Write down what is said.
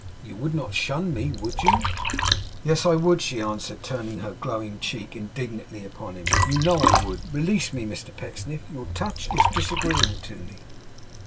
You would not shun me, would you?' 'Yes, I would,' she answered, turning her glowing cheek indignantly upon him, 'you know I would. Release me, Mr Pecksniff. Your touch is disagreeable to me.